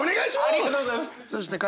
ありがとうございます！